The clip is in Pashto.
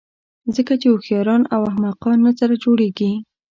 ځکه چې هوښیاران او احمقان نه سره جوړېږي.